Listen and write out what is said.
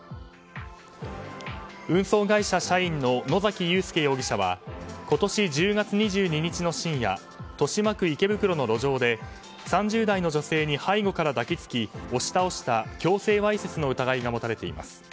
運送会社社員の野崎夕介容疑者は今年１０月２２日の深夜豊島区池袋の路上で３０代の女性に背後から抱き付き押し倒した強制わいせつの疑いが持たれています。